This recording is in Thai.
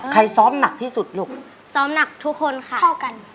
ซ้อมหนักที่สุดลูกซ้อมหนักทุกคนค่ะเท่ากัน